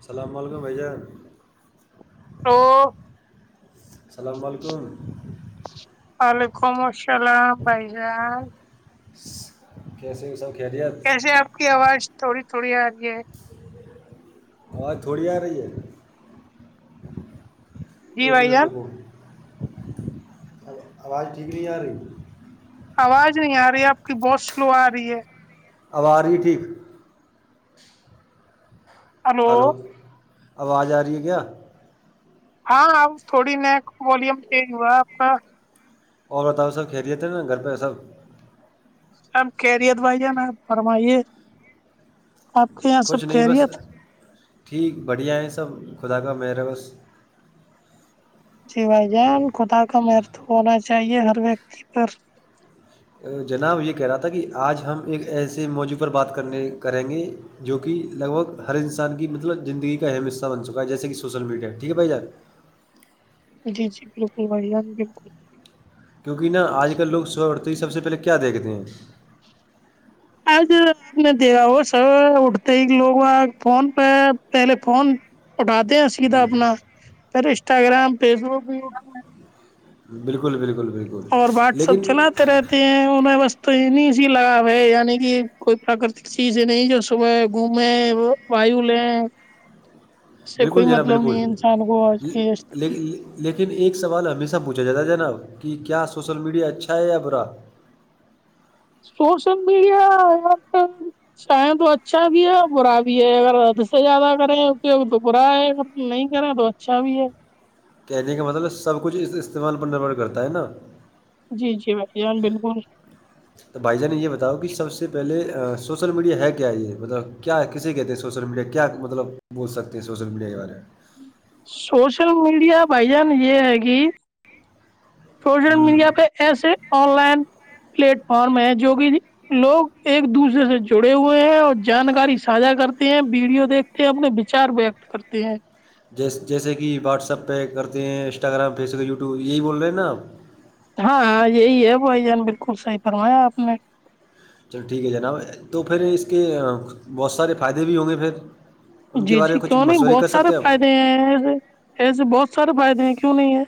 السلام علیکم بھائی جان ہلو السلام و علیکم وعلیکم السلام بھائی جان سے کیسے ہو سب خیریت مجھے آپ کی آواز تھوڑی تھوڑی آ رہی ہے آواز تھوڑی آ رہی ہے جی ایک بھائی منٹ جان روکو آواز ٹھیک نہیں آ رہی آواز نہیں آ رہی ہے آپ کی بہت سلو آ رہی ہے اب آرہی ہے ٹھیک ہلو ہیلو آواج آ رہی ہے کیا ہاں آ تھوڑی [unintelligible] ن والیوم چینج ہوا آپ کا اور بتاؤ سب خیریت ہے نہ گھر پہ سب سب خیریت بھائی جان آپ فرمائیے آپ کے یہاں کچھ سب نہیں بس خیریت ٹھیک بڑھیا ہیں سب خدا کا مہر ہے بس جی بھائی جان خدا کا مہرتو ہونا چاہیے ہر ویکتی پر جناب یہ کہہ رہا تھا کہ آج ہم ایک ایسے موضوع پر بات کرنے کریں گے جو کہ لگ بھگ ہر انسان کی مطلب زندگی کا اہم حصہ بن چکا ہے جیسے کہ سوشل میڈیا ٹھیک ہے بھائی جان جی جی بالکل بھائی جان بالکل کیونکہ نا آج کل لوگ صبح اٹھتے ہی سب سے پہلے کیا دیکھتے ہیں آج آپ نے [unintelligible] دھا ہو س اٹھتے ہی لوگ فون پہ پہلے فون اٹھاتے ہیں سیدھا اپنا پھر انسٹاگرام فیس بک [unintelligible] ٹیب بالکل بالکل بالکل اور واٹ سپ لیکن چلاتے رہتے ہیں ان میں بس تو انی سی لگاؤ ہے یعنی کہ کوئی پراکرتک چیزیں نہیں جو صبح گھومیں وایو لے بالکل جنا بالکل انسان کو آج لے کی استتی لیکن لیکن ایک سوال ہمیشہ پوچھا جاتا جناب کہ کیا سوشل میڈیا اچھا ہے یا برا سوشل میڈیا آج کل چاہیں تو اچھا بھی ہے اور برا بھی ہے اگر ادھ سے زیادہ کریں اپیوگ تو برا ہے ا نہیں کریں تو اچھا بھی ہے کہنے کا مطلب سب کچھ استعمال پر نربھر کرتا ہے نا جی جی بھائی جان بالکل تو بھائی جان نے یہ بتاؤ کہ سب سے پہلے سوشل میڈیا ہے کیا یہ مطلب کیا کیسے کہتے ہیں سوشل میڈیا کیا مطلب بول سکتے ہیں سوشل میڈیا کے بارے میں سوشل میڈیا بھائی جان یہ ہے کہ سوشل میڈیا میں پہ ایسے آن لائن پلیٹ فارم ہے جو کہ لوگ ایک دوسرے سے جڑے ہوئے ہیں اور جانکاری ساھا کرتے ہیں ویڈیو دیکھ یہ اپنے وچار وکت کرتے ہیں جیس جیسے کہ واٹس ایپ پہ کرتے ہیں انسٹاگرام فیس بک یوٹیو یہی بول رہے ہیں نا آپ ہاں ہاں یہی ہے بھائی جان بالکل صحیح فرمایا آپ نے چلو ٹھیک ہے جناب تو پھر اس کے بہت سارے فائدے بھی ہوں گے پھر ان کے جی بارے جی میں کچھ کیوں نہیں مشورے بہت کر سارے سکتے ہیں آپ فائدے ہیں ایسے ایسے بہت سارے فائدے ہیں کیوں نہیں ہے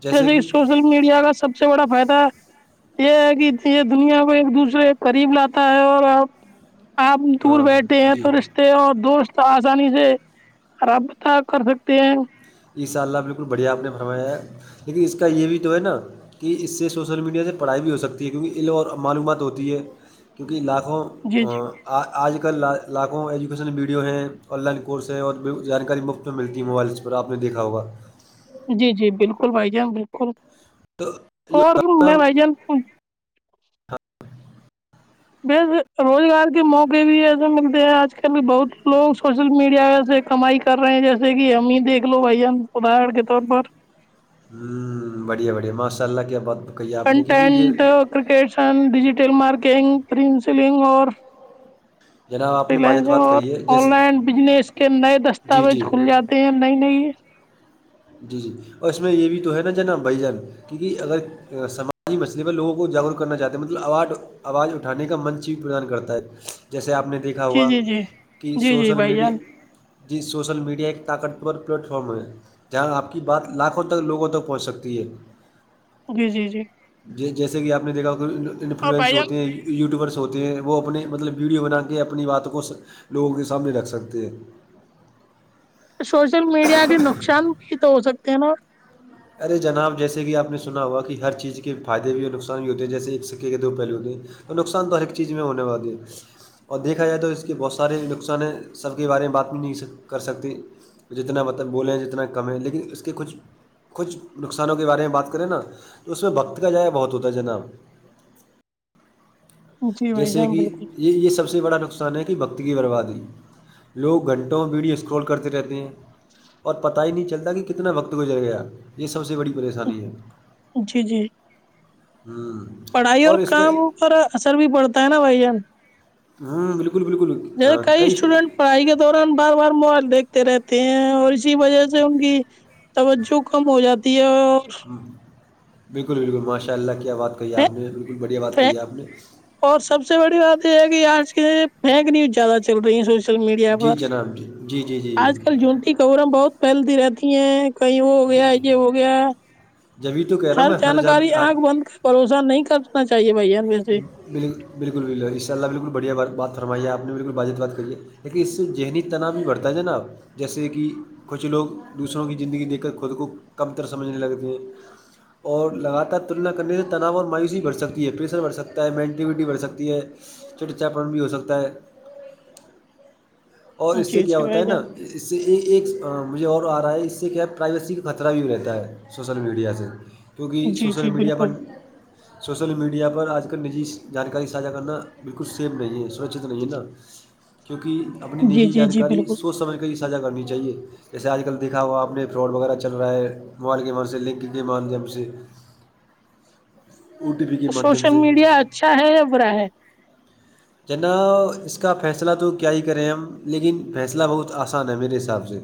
جیسے کہ سوشل میڈیا کا سب سے بڑا فائدہ یہ ہے کہ یہ دنیا کو ایک دوسرے کے قریب لاتا ہے اور آب آپ دور ہاں بیٹھے ہیں جی تو رشتے اور دوست تو آسانی سے رابطہ کر سکتے ہیں ایشاء اللہ بالکل بڑھیا آپ نے فرمایا ہے لیکن اس کا یہ بھی تو ہے نا کہ اس سے سوشل میڈیا سے پڑھائی بھی ہو سکتی ہے کیونکہ علم اور معلومات ہوتی ہے کیونکہ لاکھوں جی جی ہاں آ آج کل لاکھوں ایجوکیشن ویڈیو ہیں آن لائن کورس ہیں اور جانکاری مفت میں ملتی ہے موبائل سے پھر آپ نے دیکھا ہوگا جی جی بالکل بھائی جان بالکل یہ اور میں بھائی جان ہاں بس روزگار کے موقع بھی ایسے ملتے ہیں آج کل بہت لوگ سوشل میڈیا وسے کمائی کر رہے ہیں جیسے کہ ہممی دیکھ لو بھائی جان ادہارن کے طور پر ہوں بڑھیا بڑھیا ماشاء اللہ کیا بات کہی ہے آپ نے کیونکہ یہ کرکٹسن ڈیجیٹل مارکنگ پرنسلنگ اور جناب آپ نے باجت فیائنسنگ بات اور کہی ہے جیس آن لائن بزنس کے نئے جی جی دستاویز کھل جاتے نہیں نہیں جی جی اور اس میں یہ بھی تو ہے نا جو نا بھائی جان کیونکہ اگر سماجی مسئلے پر لوگوں کو جاگرک کرنا چاہتے ہیں مطلب آوارڈ آواز اٹھانے کا منچی پردان کرتا ہے جیسے آپ نے دیکھ جی ہوا جی جی کہ جی جی سوشل بھائی میڈیا جان جی سوشل میڈیا ایک طاقتور پلیٹ فارم ہے یہاں آپ کی بات لاکھوں تک لوگوں تک پہنچ سکتی ہے جی جی جی جے جیسے ہی کہ آپ نے دیکھا اور انفلوئنس بھائی ہوتے جان ہیں یوٹیوبرس ہوتے ہیں وہ اپنے مطلب ویڈیو بنا کے اپنی باتوں کو لوگوں کے سامنے رکھ سکتے ہیں سوشل میڈیا کے نقصان بھی تو ہو سکتے ہیں نا ارے جناب جیسے کہ آپ نے سنا ہوا کہ ہر چیز کے فائدے بھی اور نقصان بھی ہوتے ہیں جیسے ایک سکے کے دو پہلو ہوتے ہیں نقصان تو ہر ایک چیز میں ہونے والی ہے اور دیکھا جائے تو اس کے بہت سارے نقصان ہیں سب کے بارے میں بات نہیں کر سکتے جتنا مطلب بولیں جتنا کم ہے لیکن اس کے کچھ کچھ نقصانوں کے بارے میں بات کریں نا تو اس میں وقت کا ضائع بہت ہوتا ہے جناب جی بھائی جیسے جان کہ بالکل یہ یہ سب سے بڑا نقصان ہے کہ وقت کی برباد دی لوگ گھنٹوں ویڈیو اسکرال کرتے رہتے ہیں اور پتا ہی نہیں چلتا کہ کتنا وقت گزر گیا یہ سب سے بڑی پریشانی ہے جی جی ہوں پڑھائی اور اس پہ کام اور اثر بھی پڑتا ہے نا بھائی جان ہوں بالکل بالکل ا جیسے کئی اسٹوڈینٹ پڑھائی کے دوران بار بار موبائل دیکھتے رہتے ہیں اور اسی وجہ سے ان کی توجہ کم ہو جاتی ہے اور بالکل بالکل ماشاء اللہ کیا بات کہی ہے آپ نے بالکل بڑھیا بات کہی ہے آپ نے اور سب سے بڑی بات یہ ہے کہ آج کے فیک نیوز زیادہ چل رہی ہے سوشل سوشل مڈیا جی پر جناب جی جی جی جی آج کل جو بھی خبریں بہت پھیلتی رہتی ہیں کہیں وہ ہو جی گیا یہ ہو گیا جبھی تو کہہ رہا ہوں ہر میں جان جانکاری ہر- آنکھ بند کرکے بھروسہ نہیں کرنا چاہیے بھیا ویسے بل بالکل بل ان شاء اللہ بالکل بڑھیا بات فرمائی آپ نے بالکل واجب بات کری ہے لیکن اس سے ذہنی تناو بھی بڑھتا ہے جناب جیسے کہ کچھ لوگ دوسروں کی زندگی لے کر خود کو کم تر سمجھنے لگتے ہیں اور لگاتار تلنا کرنے سے تناؤ اور مایوسی بڑھ سکتی ہے پریشر بھڑ سکتا ہے سکتا ہے مینٹیوٹی بڑھ سکتی ہے چھڑ چھڑا پن بھی ہو سکتا ہے اور اس جی سے کیا جی ہوتا ہے بھائی نا جان اس سے ایک ایک مجھے اور آ رہا ہے اس سے کیا ہے پرائیویسی کا خطرہ بھی رہتا ہے سوشل میڈیا سے کیونکہ جی سوشل جی میڈیا بالکل پر سوشل میڈیا پر آج کل نجی جانکاری ساجھا کرنا بالکل سیف نہیں ہے اس سرکشت نہیں ہے نا کیونکہ اپنی جی نجی جی جی جانکاری بالکل سوچ سمجھ کے ہی ساجھا کرنی چاہیے جیسے آج کل دکھاوا اپنے فراڈ وغیرہ چل رہا ہے موبائل کے اور سے لنک کے مادھیم سے [unintelligible] او ٹی پی کے مادھیم شوشل سے میڈیا اچھا ہے یا برا ہے جناب اس کا فیصلہ تو کیا ہی کریں ہم لیکن فیصلہ بہت آسان ہے میرے حساب سے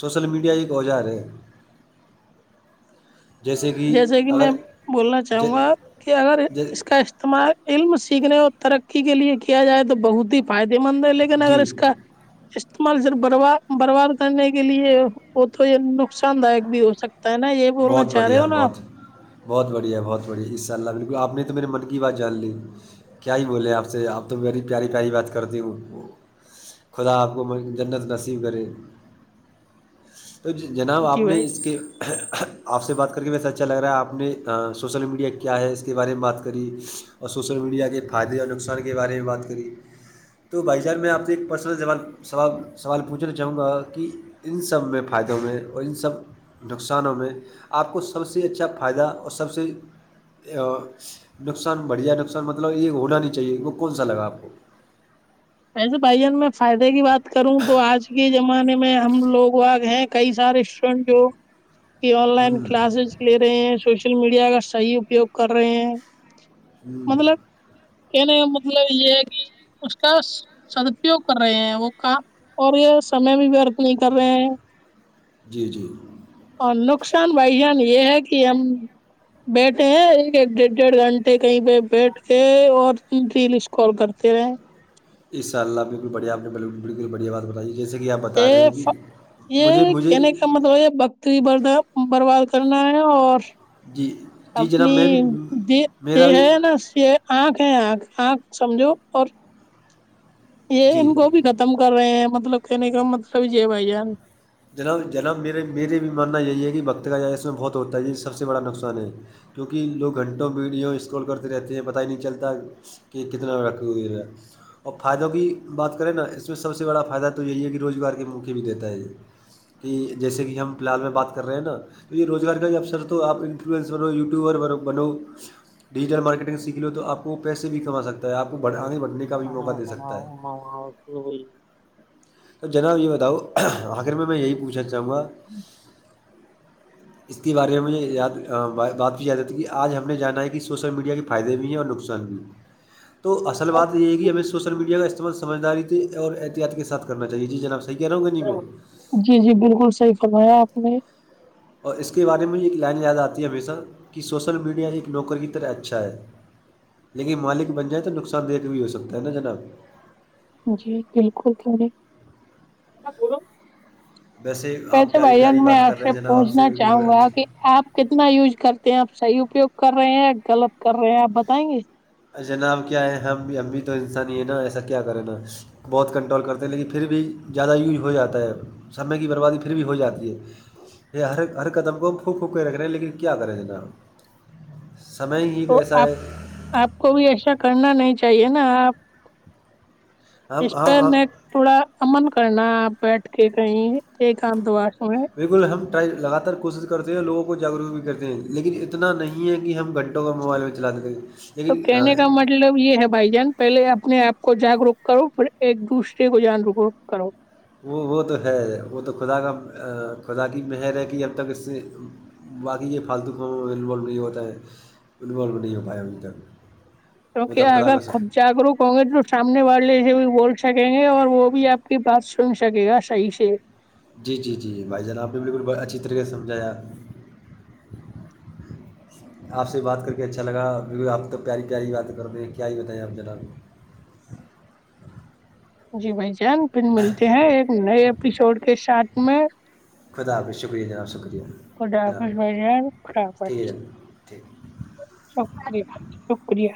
شوشل میڈیا ایک اوزار ہے جیسے کہ میں بولنا ج... چاہوں گا کہ اگر ج... اس کا تمارے علم سیکھنے اور ترقی کے لیے کیا جائے تو بہت ہی فائدے مند ہے لیکن لیکن اگر جی اس کا استعمال گر برباد برباد کرنے کے لیے ہو تو یہ نقصان دایک بھی ہو سکتا تا نا یہ بولنا بہت چاہ رہے بڑھیا ہو نا بہت بہت بڑھیا بہت بڑھیا انشاء اللہ بالکل آپ نے تو میرے من کی بات جان لی کیا ہی بولے آپ سے آپ تو بڑی پیاری پیاری بات کرتی خدا آپ م کو جنت نصیب کرے تو جناب آپ جی نے بھائی اس کے آپ سے بات کر کے وسا اچھا لگ رہا ہے آپ نے شوشل میڈیا کیا ہے اس کے بارے میں بات کری اور سوشل میڈیا کے فائدے اور نقصان کے بارے میں بات کری تو بھائی جان میں اپنی ایک پرسنل زبان سوال سوال پوچھنا چاہوں گا کہ ان سب میں فائدوں میں اور ان سب نقصان کسانوں میں آپ کو سب سے اچھا فائدہ اور سب سے نقصان بڑھیا نقصان مطلب یہ ہونا نہیں چاہیے وہ کون سا لگا آپ کو ایسے بھائی جان میں فائدے کی بات کروں تو آج کے زمانے میں ہم لوگ وہ ہیں کئی سارے اسٹوڈینٹ جو کہ آن لائن کلاسز لے رہے ہیں شوشل میڈیا کا صحیح اپیوگ کر رہے ہیں ہوں مطلب کھنے کا مطلب یہ ہے کہ اس سدپیوگ کر رہے ہیں وہ کام اور یہ سمے بھی ورت نہیں کر رہے ہیں جی جی اور نقصان بھائی جان یہ ہے کہ ہم بیٹھے ہیں ایک ایک ڈیڑھ ڈیڑھ گھنٹے کہیں پہ بیٹھ کے اور ریل اسکرول کرتے رہے انشاء اللہ بالکل بڑیا آپ بالکل بڑیا بات بتائی جیسے کہ آپ بتا رہے یہ ہیں کہ ف... مجھے یہ مجھے کہنے مطلب یہ بکت برد برباد کرنا ہے اور جی جی جناب میں بھی اپنی میرا بھی [unintelligible] آنکھ ہے آنکھ آنکھ سمجھو اور یہ ان جی کو بھی ختم کر رہے ہیں مطلب کہنے کا مطلب یہے بھائی جان جناب جناب میرے میرے بھی ماننا یہی ہے کہ وقت کا جائے اس میں بہت ہوتا ہے یہ سب سے بڑا نقصان ہے کیونکہ لوگ گھنٹوں میں ویڈیو اسکرل کرتے رہتے ہیں پتہ ہی نہیں چلتا کہ کتنا [unintelligible] اور فائدوں کی بات کریں نا اس میں سب سے بڑا فائدہ تو یہی ہے کہ روزگار کے موقعے بھی دیتا ہے یہ کہ جیسے کہ ہم فی الحال میں بات کر رہے ہیں نا تو یہ روزگار کا بھی افثر تو آپ انفلوئنس بنو یوٹیوبر بنو ڈیجیٹل مارکیٹنگ سیکھھی لو تو آپ کو پیسے بھی کما سکتا ہے آپ کو آگے بڑھنے کا بھی موقع دے سکتا ہے ہاں وہی تو جناب یہ بتاؤ آخر میں میں یہی پوچھنا چاہوں گا اس کے بارے میں مجھے یاد بات بھی یاد آتی ہے کہ آج ہم نے جانا ہے کہ سوشل میڈیا کی فائدے بھی ہیں اور نقصان بھی تو اصل بات یہ ہے کہ ہمیں سوشل میڈیا کا استعمال سمجھداری اور احتیاط کے ساتھ کرنا چاہیے جی جناب سے صحیح کہہ رہا ہوں یا نہیں میں جی جی بالکل صحیح فرمایا آپ نے اور اس کے بارے میں یہ ایک لائن یاد آتی ہے ہمیشہ کہ سوشل میڈیا ایک نوکر کی طرح اچھا ہے لیکن مالک بن جائے تو نقصان دایک بھی ہو سکتا ہے نا جناب جی بالکل [unintelligible] ویسے آپ پیاری بھائی پیاری جان میں بات کر آپ رہے سے ہیں جناب آپ سے پوچھنا بالکل چاہوں بچ گا کہ آپ کتنا یوز کرتے ہیں آپ صحیح اپیوگ کر رہے ہیں غلط کر رہے ہیں آپ بتائیں گے جناب کیا ہے ہم بھی ہم بھی تو انسان ہیں نا ایسا کیا کریں نا بہت کنٹرول کرتے ہیں لیکن پھر بھی زیادہ یوج ہو جاتا ہے سمے کی بربادی پھر بھی ہو جاتی ہے یہ ہر ہر قدم کو پھوک پھوک کے رکھ رہے ہیں لیکن کیا کرے جناب سمئے ہی تو ویسا آپ ہے آپ کو بھی ایسا کرنا نہیں چاہیے نا آپ ہم اس ہاں پر ہاں مے تھوڑا امن کرنا آپ بیٹھ کے کہیں ایک ات بار بالکل ہم ٹرائی لگاتار کوشش کرتے ہیں اور لوگوں کو جاگروک بھی کرتے ہیں لیکن اتنا نہیں ہے کہ ہم گنٹ ٹو موبائل چالتتے توکہنے کا مط مطلب یہ ہے بھائی جان پہلے اپنے آپ کو جاگروک کرو پھر ایک دوسرے کو جگ رک رک کرو وہ وہ تو ہے وہ تو خدا کا خدا کی مہر ہے کہ اب تک اس سے [unintelligible] باقی یہ فالتووں میںو نہیں ہوتا ہے انوالو نہیں ہو پائے اھی تک وہ تو خدا کا [unintelligible] شکر جاگروک ہوں گے تو سامنے والے سے بھی بول سکیں گے اور وہ بھی آپ کی بات سن سکے گا صحیح سے جی جی جی بھائی جان آپ نے بالکل اچھی طریقے سے سمجھایا آپ سے بات کر کے اچھا لگا آپ تو پیاری پیاری بات کر دے ہیں کیا ہی بتائییں آپ جناب جی بھائی جان پھر ملتے ہیں ایک نئے ایپیسوڈ کے ساتھ میں خدا حافظ شکریہ جناب شکریہ خدا جناب حافظ بھائی جان خدا حافظ ٹھیک ہے جناب ٹھیک شکریہ شکریہ